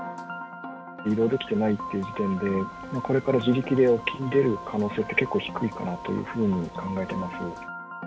移動できてないという時点で、これから自力で沖に出る可能性って、結構低いかなというふうに考えてます。